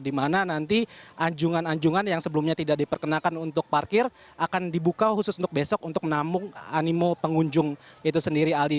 di mana nanti anjungan anjungan yang sebelumnya tidak diperkenakan untuk parkir akan dibuka khusus untuk besok untuk menampung animo pengunjung itu sendiri aldi